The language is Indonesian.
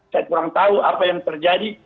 saya kurang tahu apa yang terjadi